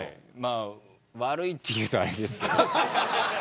悪いって言うと、あれですけど。